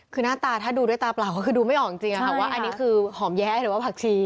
คือหน้าตาถ้าดูด้วยตาเปล่าก็คือดูไม่ออกจริงว่าอันนี้คือหอมแย้หรือว่าผักชี